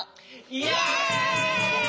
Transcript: イエイ！